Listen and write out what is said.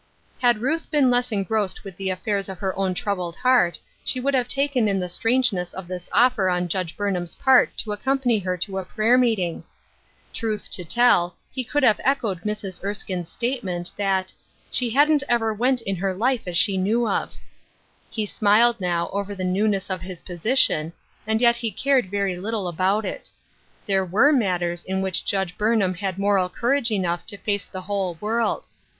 Had Ruth been less engrossed with the affairs of her own troubled heart she would have taken in the strangeness of this offer on Judge Burn ham's part to accompany her to a prayer meeting. Truth to tell he could have echoed Mrs. Erskine's statement, that "she hadn't never went in her life as she knew of." He smiled now over the newness of his position, and yet he cared very little about if There were matters in which Judge Burnham had moral courage enough to face the whole woild.